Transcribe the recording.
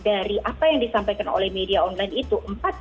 dari apa yang disampaikan oleh media online itu